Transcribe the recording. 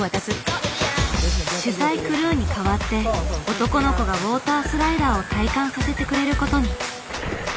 取材クルーに代わって男の子がウォータースライダーを体感させてくれることに。